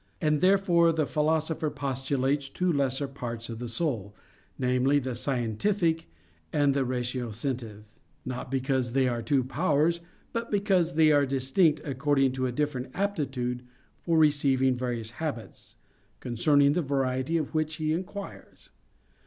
And therefore the Philosopher postulates two lesser parts of the soul namely, the "scientific" and the "ratiocinative," not because they are two powers, but because they are distinct according to a different aptitude for receiving various habits, concerning the variety of which he inquires.